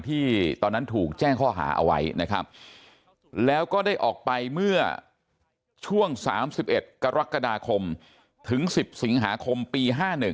ที่ตอนนั้นถูกแจ้งข้อหาเอาไว้นะครับแล้วก็ได้ออกไปเมื่อช่วง๓๑กรกฎาคมถึง๑๐สิงหาคมปี๕๑